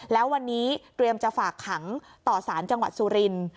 แล้ววันนี้เตรียมจะฝากขังต่อสารจังหวัดสุรินทร์